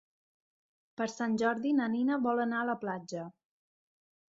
Per Sant Jordi na Nina vol anar a la platja.